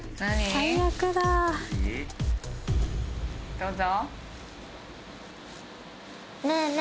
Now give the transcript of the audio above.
どうぞ。